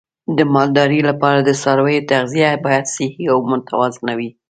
د مالدارۍ لپاره د څارویو تغذیه باید صحي او متوازنه وي.